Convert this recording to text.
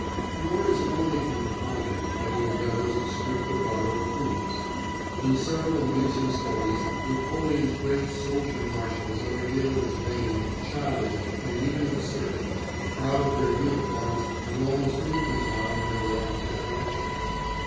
Nor is it only from Napoleon that he endeavours to strip the borrowed plumes; in several amusing studies Napoleon's great soldier marshals are revealed as vain, childish, and even absurd, proud of their uniforms and almost infantile in their love of decorations.